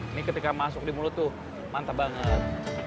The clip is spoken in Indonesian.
ini ketika masuk di mulut tuh mantap banget